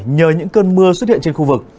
nhờ những cơn mưa xuất hiện trên khu vực